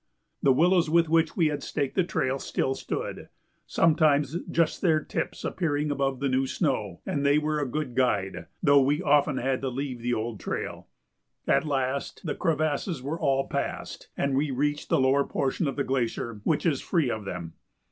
The willows with which we had staked the trail still stood, sometimes just their tips appearing above the new snow, and they were a good guide, though we often had to leave the old trail. At last the crevasses were all passed and we reached the lower portion of the glacier, which is free of them.